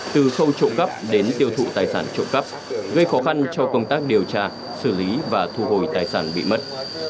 từ khâu trộm cắp đến tiêu thụ tài sản trộm cắp gây khó khăn cho công tác điều tra xử lý và thu hồi tài sản bị mất